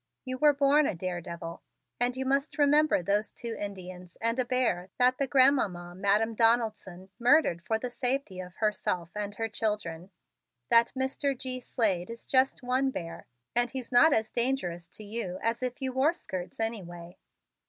You were born a daredevil and you must remember those two Indians and a bear that the Grandmamma Madam Donaldson murdered for safety for herself and her children. That Mr. G. Slade is just one bear and he's not as dangerous to you as if you wore 'skirts' anyway.